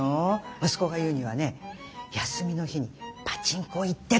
息子が言うにはね休みの日にパチンコ行ってたって。